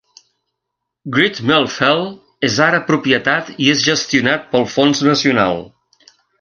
Great Mell Fell és ara propietat i és gestionat pel Fons nacional.